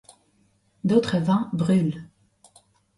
D’autres vents brûlent.